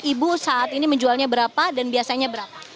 ibu saat ini menjualnya berapa dan biasanya berapa